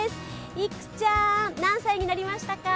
いくちゃん、何歳になりましたか？